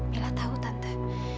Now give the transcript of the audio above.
mila tahu tante